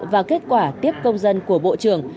và kết quả tiếp công dân của bộ trưởng